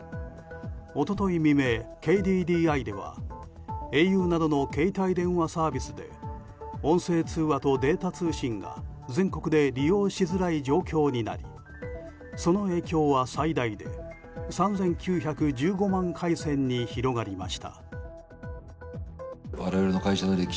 一昨日未明、ＫＤＤＩではａｕなどの携帯電話サービスで音声通話とデータ通信が全国で利用しづらい状況になりその影響は最大で３９１５万回線に広がりました。